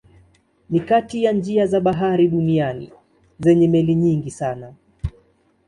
Ni kati ya njia za bahari duniani zenye meli nyingi sana.